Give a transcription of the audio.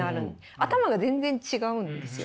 頭が全然違うんですよ。